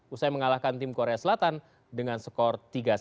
usai mengalahkan tim korea selatan dengan skor tiga satu